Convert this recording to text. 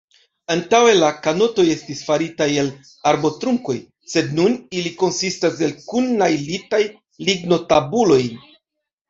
Antaŭe la kanotoj estis faritaj el arbotrunkoj, sed nun ili konsistas el kunnajlitaj lignotabuloj.